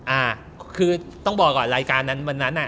อ่าคือต้องบอกก่อนรายการนั้นวันนั้นน่ะ